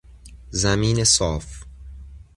زمین صاف